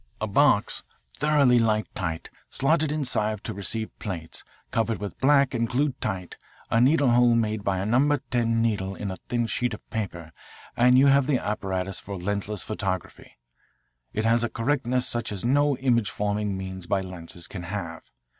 A box, thoroughly light tight, slotted inside to receive plates, covered with black, and glued tight, a needle hole made by a number 10 needle in a thin sheet of paper and you have the apparatus for lensless photography. It has a correctness such as no image forming means by lenses can have.